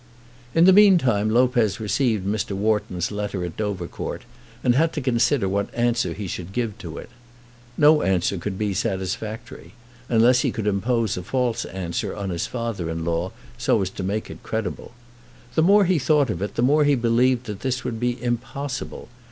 In the mean time Lopez received Mr. Wharton's letter at Dovercourt, and had to consider what answer he should give to it. No answer could be satisfactory, unless he could impose a false answer on his father in law so as to make it credible. The more he thought of it, the more he believed that this would be impossible.